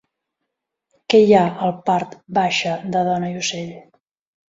Què hi ha al part baixa de Dona i ocell?